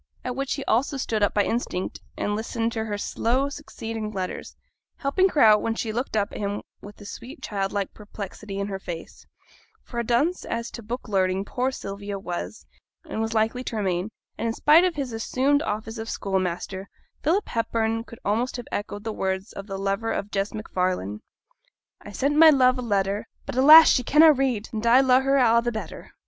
At which he also stood up by instinct, and listened to her slow succeeding letters; helping her out, when she looked up at him with a sweet childlike perplexity in her face: for a dunce as to book learning poor Sylvia was and was likely to remain; and, in spite of his assumed office of schoolmaster, Philip Hepburn could almost have echoed the words of the lover of Jess MacFarlane I sent my love a letter, But, alas! she canna read, And I lo'e her a' the better.